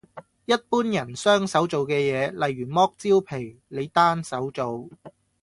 一般人雙手做嘅嘢，例如剝蕉皮，你單手做